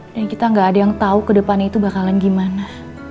dan kita gak ada yang tau ke depannya itu bakalan gimana